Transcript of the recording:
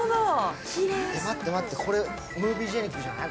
待って待って、これムービージェニックじゃない？